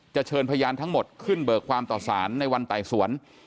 เชิญพยานทั้งหมดขึ้นเบิกความต่อสารในวันไต่สวน